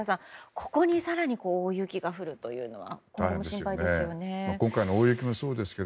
ここに更に大雪が降るというのは今後も心配ですよね。